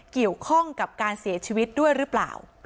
เกี่ยวข้องกับการเสียชีวิตด้วยหรือเปล่า